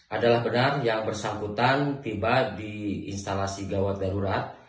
adalah benar yang bersangkutan tiba di instalasi gawat darurat